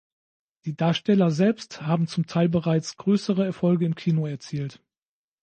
Die Darsteller selbst haben zum Teil bereits größere Erfolge im Kino erzielt.